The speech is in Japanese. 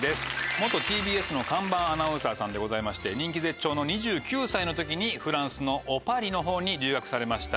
元ＴＢＳの看板アナウンサーさんでございまして人気絶頂の２９歳の時にフランスのおパリのほうに留学されました。